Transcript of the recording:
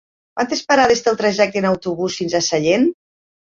Quantes parades té el trajecte en autobús fins a Sallent?